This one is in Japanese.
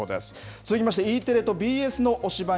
続きましてＥテレとＢＳの推しバン！